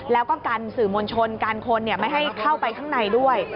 แล้วก็กันสื่อมวลชนกันคนไม่ให้เข้าไปข้างในด้วย